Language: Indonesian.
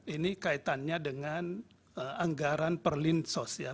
ini kaitannya dengan anggaran perlinsos ya